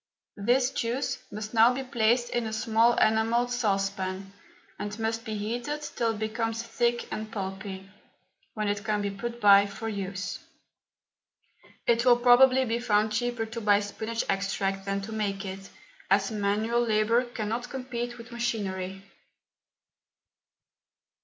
This juice must now be placed in a small enamelled saucepan, and must be heated till it becomes thick and pulpy, when it can be put by for use. It will probably be found cheaper to buy spinach extract than to make it, as manual labour cannot compete with machinery.